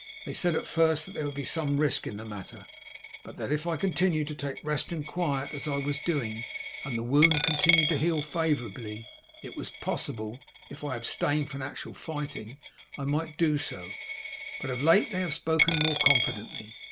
They said at first that there would be some risk in the matter, but that if I continued to take rest and quiet as I was doing, and the wound continued to heal favourably, it was possible, if I abstained from actual fighting, I might do so; but of late they have spoken more confidently.